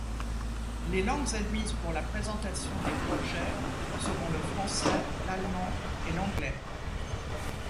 Les langues admises pour la présentation des projets seront le français, l'allemand et l'anglais.